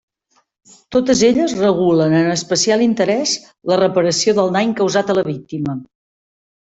Totes elles regulen en especial interès la reparació del dany causat a la víctima.